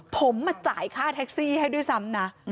ผมมาจ่ายค่าแท็กซี่ให้ด้วยซ้ำนะ